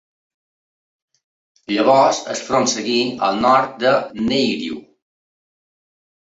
Llavors el front seguí al nord del Narew.